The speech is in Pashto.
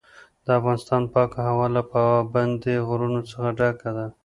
د افغانستان پاکه هوا له پابندي غرونو څخه ډکه ده.